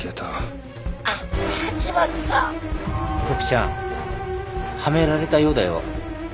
ボクちゃんはめられたようだよ。